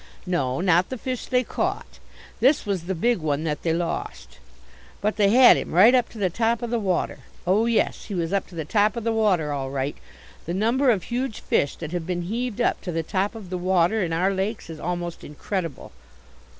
No, not the fish they caught; this was the big one that they lost. But they had him right up to the top of the water. Oh, yes, he was up to the top of the water all right. The number of huge fish that have been heaved up to the top of the water in our lakes is almost incredible.